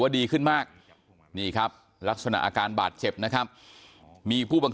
ดีขึ้นมากนี่ครับลักษณะอาการบาดเจ็บนะครับมีผู้บัง